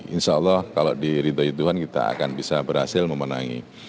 insya allah kalau di ridhoi tuhan kita akan bisa berhasil memenangi